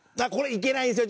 行けないんですよ。